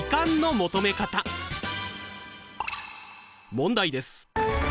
問題です。